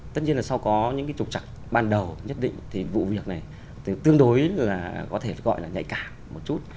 tất nhiên là sau có những trục trặc ban đầu nhất định thì vụ việc này tương đối có thể gọi là nhạy cảm một chút